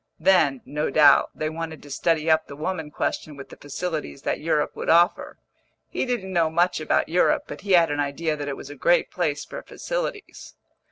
Then, no doubt, they wanted to study up the woman question with the facilities that Europe would offer; he didn't know much about Europe, but he had an idea that it was a great place for facilities.